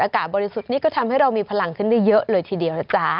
อากาศบริสุทธิ์นี่ก็ทำให้เรามีพลังขึ้นได้เยอะเลยทีเดียวนะจ๊ะ